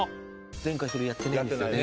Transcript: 前回それやってないですね。